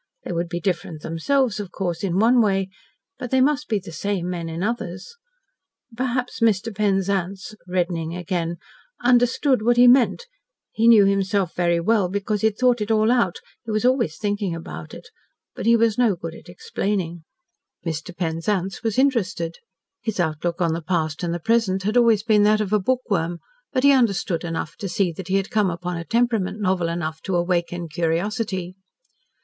They would be different themselves, of course, in one way but they must be the same men in others. Perhaps Mr. Penzance (reddening again) understood what he meant. He knew himself very well, because he had thought it all out, he was always thinking about it, but he was no good at explaining. Mr. Penzance was interested. His outlook on the past and the present had always been that of a bookworm, but he understood enough to see that he had come upon a temperament novel enough to awaken curiosity.